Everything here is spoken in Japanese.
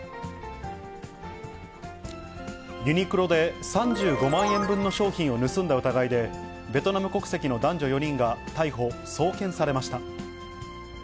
ユニクロで３５万円分の商品を盗んだ疑いで、ベトナム国籍の男女４人が逮捕・送検されました。